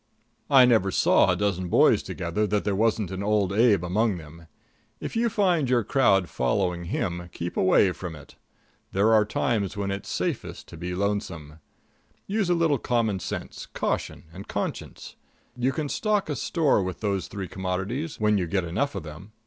I never saw a dozen boys together that there wasn't an Old Abe among them. If you find your crowd following him, keep away from it. There are times when it's safest to be lonesome. Use a little common sense, caution and conscience. You can stock a store with those three commodities, when you get enough of them.